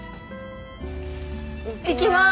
行きまーす！